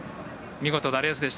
見事なレースでした。